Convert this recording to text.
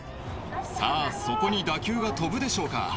さあ、そこに打球が飛ぶでしょうか。